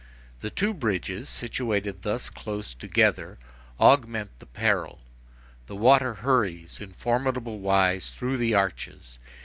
The two bridges, situated thus close together, augment the peril; the water hurries in formidable wise through the arches.